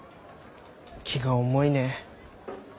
気が重いね。